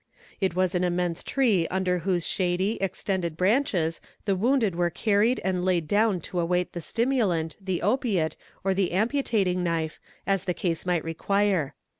It was an immense tree under whose shady, extended branches the wounded were carried and laid down to await the stimulant, the opiate, or the amputating knife, as the case might require.